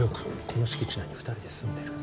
この敷地内に２人で住んでる。